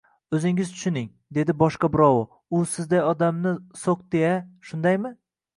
— O‘zingiz tushuning, — dedi boshqa birovi. — U Sizday odamni so‘qdi-ya! Shundaymi?